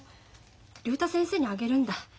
竜太先生にあげるんだ。